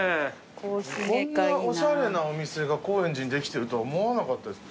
こんなおしゃれなお店が高円寺にできてるとは思わなかったです。